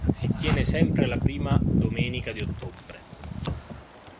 Si tiene sempre la prima domenica di ottobre.